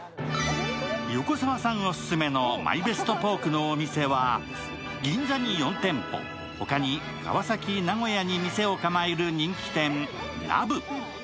横澤さんオススメのＭＹＢＥＳＴポークのお店は銀座に４店舗、他に川崎、名古屋に店を構える人気店・羅豚。